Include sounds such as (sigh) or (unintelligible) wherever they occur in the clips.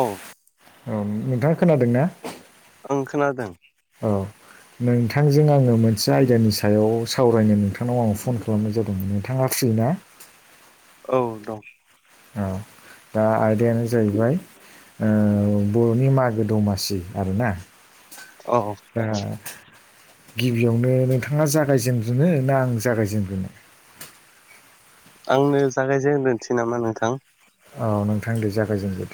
औ। औ नोंथाङा खोनादोंना? आं खोनादों। औ नोंथांजों आङो मोनसे आयदानि सायाव सावरायनो नोंथांनाव आं फन खालामनाय जादोंमोन नोंथाङा फ्रिना? औ दं औ दा आदायानो जाहैबाय ओ बर'नि मागो दमासि आरोना। औ दा गिबियावनो नोंथाङा जागायजेनग्रोनो ना आं जागायजेनग्रोनो। आंनो जागायजेनग्रोनोसै नामा नोंथां। औ नोंथां दे जागायजेनदो।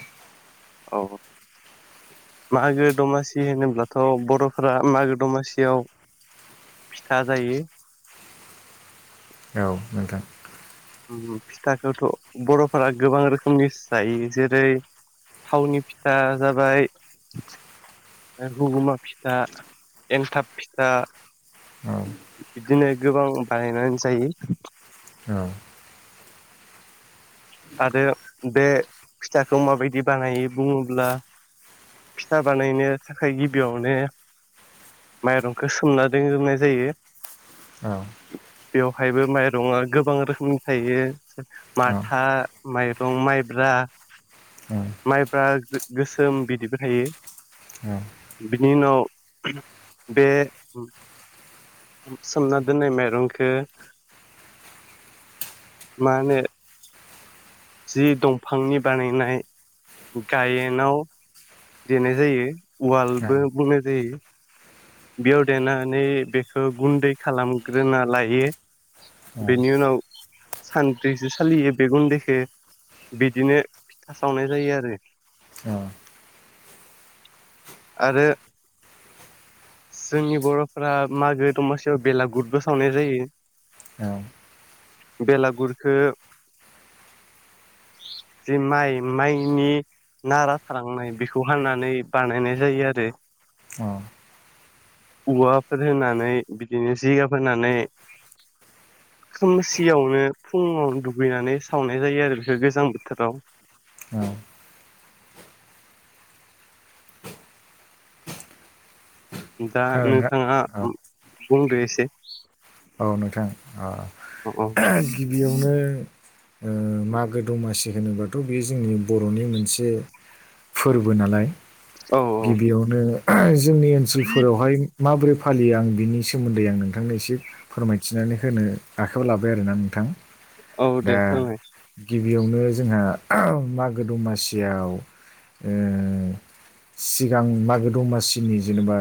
औ मागो दमासि होनोब्लाथ' बर'फोरा मागो दमासियाव फिथा जायो। औ नोंथां। फिथाखौथ' बर'फोरा गोबां रोखोमनि जायो, जेरै थावनि फिथा जाबाय, रुगुमा फिथा, एंथाब फिथा, औ बिदिनो गोबां बानायनानै जायो। औ आरो बे फिथाखौ माबायदि बानायो बुङोब्ला फिथा बानायनो थाखाय गिबियावनो माइरंखौ सोमना दिनग्रोनाय जायो। औ बेवहायबो माइरंङा गोबां रोखोमनि थायो माथा, माइरं माइब्रा, माइब्रा गोसोम बिदिबो थायो। बिनि उनाव बे सोमना दोन्नाय माइरंखो माने जि दंफांनि बानायनाय गायेनाव देनाय जायो उवालबो बुंनाय जायो। बेयाव देनानै बेखौ गुन्दै खालामग्रोना लायो। बेनि उनाव सानद्रिसो सालियो बे गुन्दैखो। बिदिनो फिथा सावनाय जायो आरो। अ आरो जोंनि बर'फोरा मागो दमासियाव बेलागुटबो सावनाय जायो। बेलागुरखो (unintelligible) जे माइ, माइनि नाारााथालांनाय बेखौ हानानै बानायनाय जायो आरो। औ औवाफोर होनानै बिदिनो जिगाब होनानै (inaudible) खोमसियावनो फुङावनो दुगैनानै सावनाय जायो आरो बेखौ गोजां बोथोराव औ दा खोनादोंना? नोंथाङा बुंदो एसे औ नोंथां औ औ गिबियावनो ओ मागो दमासि होनोबाथ' बेयो जोंनि बर'नि मोनसे फोरबो नालाय औ औ गिबियावनो जोंनि ओनसोलफोरावहाय माबोरै फालियो आं बिनि सोमोन्दै आं नोंथांनो एसे फोरमायथिनानै होनो आखायावायाव लाबाय आरोना नोंथां औ दा दे फोरमाय गिबियावनो जोंहा मागो दमासियाव ओ सिगां मागो दमासिनि जेनेबा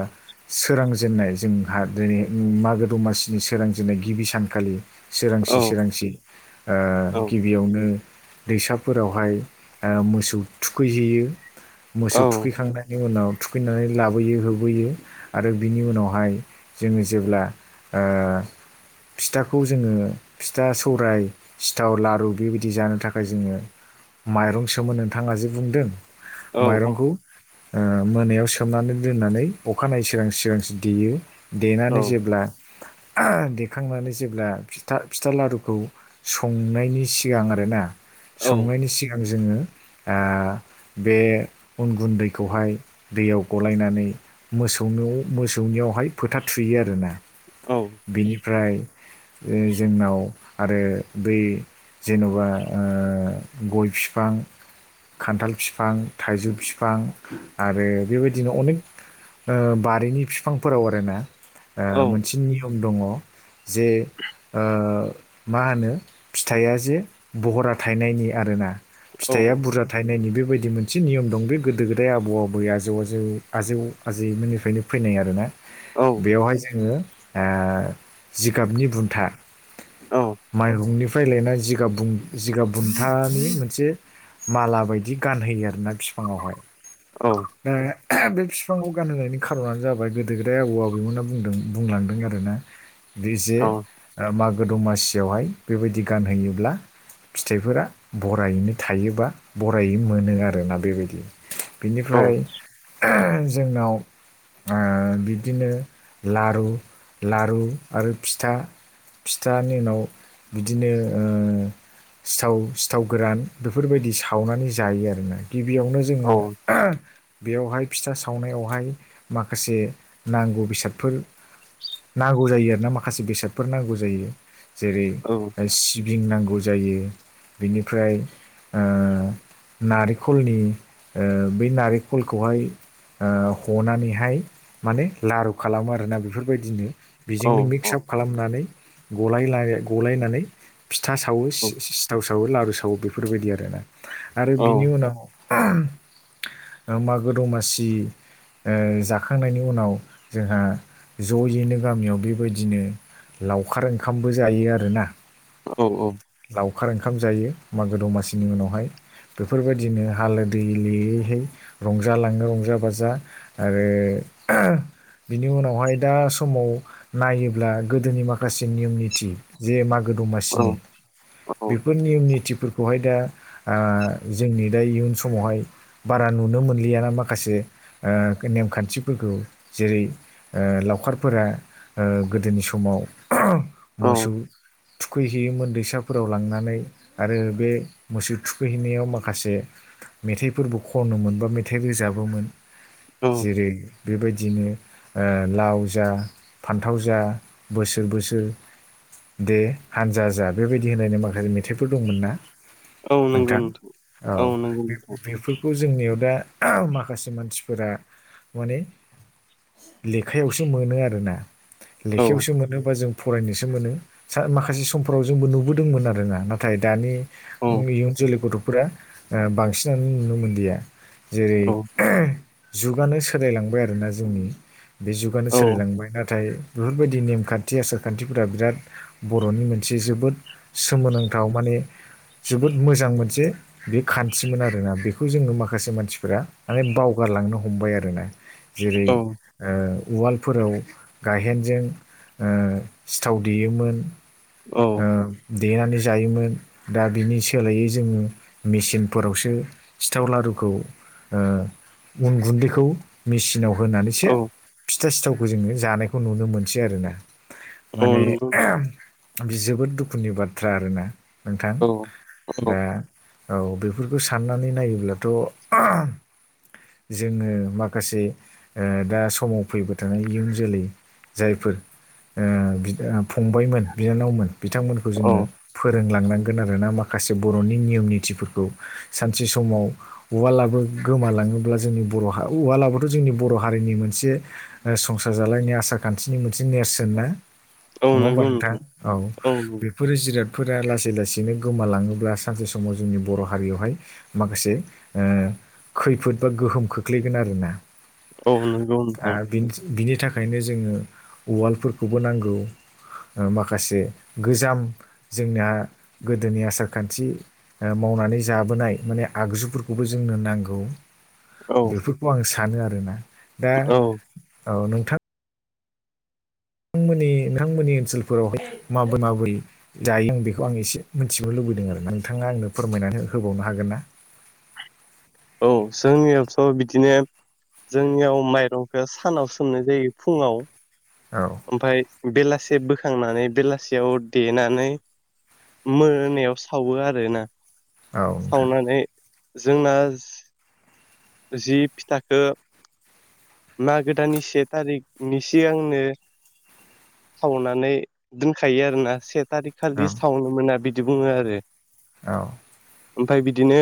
सोरांजेननाय जोंहा दिनै मागो दमासि नि सोरांजेननाय गिबि सानखालि औ सोरांसि सोरांसि ओ औ गिबियावनो दैसा फोरावहाय मोसौ थुखैहैयो औ मोसौ थुखैखांनायनि उनाव थुखैनानै लाबोयो होबोयो आरो बिनि उनावहाय जोङो जेब्ला ओ फिथाखौ जोङो फिथा सौराय सिथाव लारु बेबायदि जानो थाखाय जोङो माइरं सोमो नोंथाङा जे बुंदों औ माइरंखौ ओ मोनायाव सोमनानै दोननानै अखानायै सोरांसि सिरांसि देयो देनानै जेब्ला देखांनानै जेब्ला फिथा फिथा लारुखौ संनायनि सिगां आरोना औ संनायनि सिगां जोङो ओ बे उन गुन्दैखौहाय दैयाव गलायनानै मोसौ मोसौनियावहाय फोथार थुयो आरोना औ बिनिफ्राय जोंनाव आरो बै जेन'बा ओ गय बिफां खान्थाल फिफां, थाइजौ फिफां आरो बेबायदिनो अनेक बारिनि बिफांफोराव आरोना औ ओ मोनसे नियम दङ जे ओ मा होनो फिथाइया जे भहरा थाइनायनि आरोना फिथाइआ बुरजा थायनायनि बे बेबायदि मोनसे नियम दं बे गोदो गोदाय आबौ आबै आजौ आजौ आजौ आजैमोननिफ्रायनो फैनाय आरोना औ बेवहाय जोङो ओ जिगाबनि बुन्था माइरंनिफ्राय लायना जिगाब जिगाब बुन्थानि मोनसे माला बायदि गानहोयो आरोना बिफाङावहाय दा बे बिफांखौ गानहोनायनि खारनानो जाबाय गोदो गोदाय आबौ आबैमोनना बुंदों बुंलांदों आरोना बे जे औ मागो दमासियावहाय बेबायदि गानहैयोब्ला फिथाइफोरा बरायैनो थायोबा बरायै मोनो आरोना बेबायदि औ बिनिफ्राय जोंनाव ओ बिब्दिनो ला रु लारु आरो फिथा फिथानि उनाव बिदिनो ओ सिथाव सिथाव गोरान बेफोरबायदि सावनानै जायो आरोना गिबियावनो औ जोङो बेयावहाय फिथा सावनायावहाय माखासे नांगौ बेसादफोर नांगौ जायो आरो ना माखासे बेसादफोर नांगौ जायो औ जेरै सिबिं नांगौ जायो बिनिफ्राय ओ नारेंखलनि बै नारेंखलखौहाय ओ हनानैहाय माने लारु खालामो आरोना बे बेफोरबायदिनो औ बेजोंनो औ मिक्स आप खालामनानै गाय गलायनानै फिथा सावो औ सिथाव सावो लारु सावो बेफोरबायदि आरोना आरो औ बिनि उनाव उम मागो दमासि ओ जाखांनायनि उनाव जोंहा ज'यैनो गामियाव बेबायदिनो लावखार ओंखामबो जायो आरोना औ औ लावखार ओंखाम जायो मागो दमासिनि उनावहाय बेफोरबायदिनो हालो दैलोयैहाय रंजालाङो रंजा बाजा आरो बिनि उनावहाय दा समाव नायोब्ला गोदोनि माखासे नियम निथि जे मा मागो औ दमासिनि औ बेफोर नियम नितिफोरखौहाय दा जोंनि दा इयुन समावहाय बाद नुनो मोनलियाना माखासे नेमखान्थिफोरखौ जेरै ओ लावखारफोरा ओ गोदोनि समाव मोसौ थुखैहैयोमोन दैसाफोराव लांनानै आरो बे मोसौ थुखैहैनायाव माखासे मेथाइफोरबो खनोमोन बा मेथाइ रोजाबोमोन औ जेरै बेबायदिनो लाव जा फान्थाव जा बोसोर बोसोर दे हानजा जा बेबायदि होनायनानै माखासे मे थाइफोर दंमोन ना औ नंगौ नोंथां औ नंगौ नोंथां बेफोरखौ जोंनियाव दा माखासे मानसिफोरा माने लेखायावसो मोनो आरोना औ लेखायावसो मोनोबा जों फरायनोसो मोनो माखासे समफोराव जोंबो नुबोदोंमोन आरो ना नाथाय दानि औ इयुन जोलै गथ'फोरा बांसिनानो नुनो मोनलिया जेरै औ जुगानो सोलायलांबाय आरोना जोंनि बे औ सोलायलांबाय नाथाय बेफोरबायदि नेमखान्थि आसार खान्थिफोरा बिराद बर'नि मोनसे जोबोद सोमोनांथाव माने (unintelligible) जोबोद मोजां मोनसे बे खान्थिमोन आरोना बेखौ जोङो माखासे मानसिफोरा माने बावगार लांनो हमबाय आरोना जेरै ओ उवालफोराव गायहेनजों सिथाव देयोमोन औ ओ देनानै जायोमोन दा बिनि सोलायै जोङो मेसिनफोरावसो सिथाव लारु खौ अन गुन्दैखौ मेसिनाव होनानैसो फिथा सिथावखौ जोङो जानायखौ नुनो मोनसै आरोना औ माने नंगौ जोबोद दुखुनि बाथ्रा आरोना नोंथां औ दा औ बेफोरखौ साननानै नायोब्लाथ' जोङो माखासे दा समाव फैबाय थानाय इयुन जोलै जायफोर ओ फंबायमोन बिनानावमोन बिथांमोनखौ जोङो औ फोरों लांनांगोन आरोना माखासे बर'नि नियम निथिफोरखौ सानसे समाव उवालाबो गोमालाङोब्ला जोंनि बर' हा उवलाबोथ' जोंनि बर' हारिनि मोनसे संसार जालायनाय आसार खान्थिनि मोनसे नेरसोन ना औ नङा होमबा नंगौ नोंथां औ बेफोरो जिराद फोरा लासै लासैनो गोमालाङोब्ला सानसे समाव जोंनि बर' हारियावहाय माखासे ओ खैफोद बा गोहोम खोख्लैगोन आरोना। औ नं ओ आरो बिनि थाखायनो जोङो उवालफोरखौबो नांगौ माखासे गोजाम जोंनिया गोदोनि आसार खान्थि मावनानै जाबोनाय माने आगजुफोरखौबो जोंनो नांगौ औ बेफोरखौ आं सानो आरोना। दा औ औ नोंथां मोननि नोंथांमोननि ओनसोलफोरावहाय माबोर माबोरै जायो आं बेखौ आं एसे मिथिनो लुबै दों आरो ना नोंथाङा आंनो फोरमायनानै होबावनो हागोन ना? औ जोंनियावथ' बिदिनो जोंनियाव माइरंखौ सानाव सोमनाय जायो फुङाव औ ओमफ्राय बेलासे बो खांनानै बेलासियाव देनानै मोनायाव सावो आरोना। औ नोंथां। सावनानै जोंना जि फिथाखौ मागो दाननि से थारिखनि सिगांनो खावनानै दोनखायो आरोना से थारिख औ खालि सावनो मोना बिदि बुङो आरो। औ ओमफ्राय बिदिनो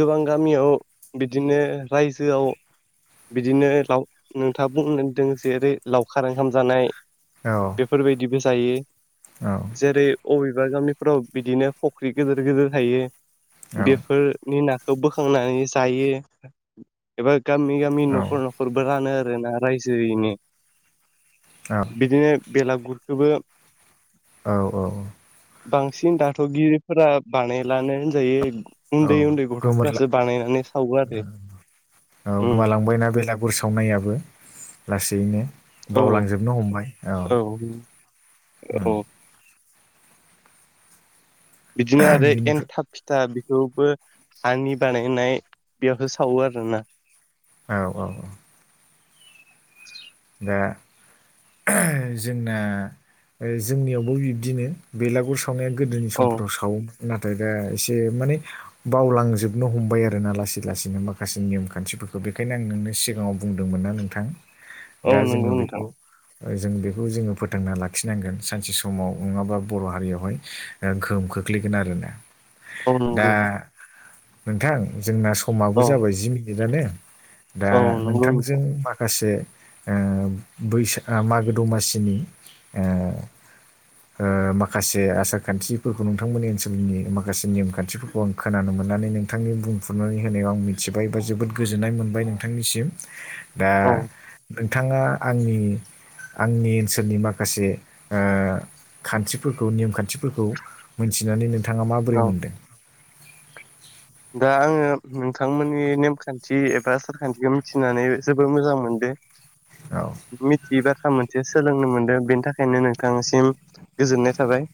गोबां गामियाव बिदिनो रायजोआव बिदिनो लाव नोंथाङा बुंदों जेरै लावखार ओंखाम जानाय औ बेफोरबायदिबो जायो औ जेरै अबेबा गामिफ्राव बिदिनो फख्रि गिदिर गिदिर थायो बेफोरनि ना खौ बोखांनानै जायो एबा गामि गामि न'खर न'खरबो रानो आरोना रायजोयैनो बिदिनो बेलागुरखौबो औ औ बांसिन दाथ' गिदिरफोरा बानायलानो होनजायो औ उन्दै उन्दै गोमोरला गथ'फोरासो बानायनानै सावो आरो औ उम गोमालांबायना बेलागुर सावनायाबो लासैनो? औ बावलांजोबनो हमबाय। औ औ बिदिनो आरो बिनिफ्राय एन्थाब फिथा खौबो हानि बानायनाय बेयावहा सावो आरो ना। औ औ औ दा जोंना जोंनियावबो बिब्दिनो बेलागुर सा वनाया गोदोनि औ समफोराव सावोमोन नाथाय दा एसे माने बावलांजोबनो हमबाय आरो ना लासै लासैनो माखासे नियम खान्थि फोरखौ बेखायनो आं नोंनो सिगाङाव बुंदोंमोन ना नोंथां औ दा जोङो नंगौ नोंथां बेखौ जों बेखौ जोङो फोथांना लाखिनांगोन सानसे समाव नङाबा बर' हारियावहाय गोहोम खो ख्लैगोन आरोना औ दा नंगौ नोंथां जोंना समाबो औ जाबाय जि मिनिटानो दा औ नंगौ नोंथां नोंथांजों माखासे ओ फैसा मागो दमासिनि ओ माखासे आसार खान्थिफोरखौ नोंथांमोननि ओनसोलनि माखासे नेम खान्थिफोरखौ आं खोनानो मो ननानै नोंथांनि बुंफुरनानै होनायाव आं मिथिबाय बा जोबोद गोजोननाय मोनबाय नोंथांनिसिम दा औ नोंथाङा आंनि आंनि ओनसोलनि माखासे ओ खान्थिफोरखौ नेम खान्थिफोरखौ मोनथिनानै नों थाङा माबोरै औ मोनदों? दा आङो नोंथांमोननि नेमखान्थि एबा आसारखान्थिखौ मिथिनानै जोबोद मोजां मोनदों औ मिथियो दा था मोनसे सोलोंनो मोनदों बेनि थाखायनो नोंथांसिम गोजोननाय थाबाय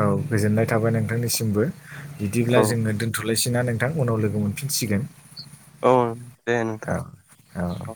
औ गोजोननाय थाबाय नोंथांनिसिमबो बिदिब्ला औ जोङो दोनथ'लाय सिना नोंथां उनाव लोगो मोनफिनसिगोन औ दे नोंथां औ औ